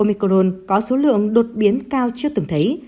soicoron có số lượng đột biến cao chưa từng thấy